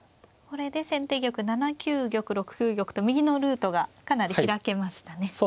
これで先手玉７九玉６九玉と右のルートがかなり開けましたね。